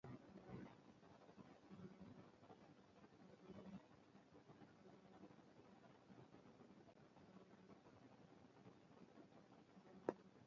Pache noluong'o gi kendo ochako loso kodgi.